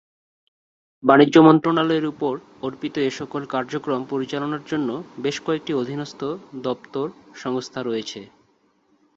বাণিজ্য মন্ত্রণালয়ের উপর অর্পিত এ সকল কার্যক্রম পরিচালনার জন্য বেশ কয়েকটি অধীনস্থ দপ্তর/সংস্থা রয়েছে।